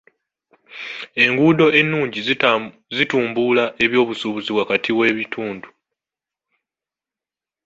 Enguudo ennungi zitumbula eby'obusuubuzi wakati w'ebitundu.